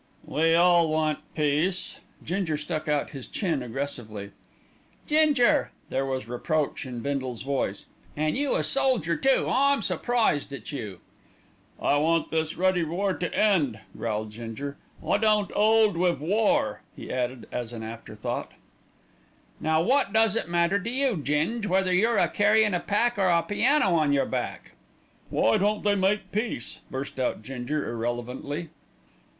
"We all want peace." Ginger stuck out his chin aggressively. "Ginger!" there was reproach in Bindle's voice, "an' you a soldier too, I'm surprised at you!" "I want this ruddy war to end," growled Ginger. "I don't 'old wiv war," he added as an after thought. "Now wot does it matter to you, Ging, whether you're a carrin' a pack or a piano on your back?" "Why don't they make peace?" burst out Ginger irrelevantly.